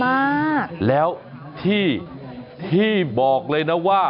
หมอกิตติวัตรว่ายังไงบ้างมาเป็นผู้ทานที่นี่แล้วอยากรู้สึกยังไงบ้าง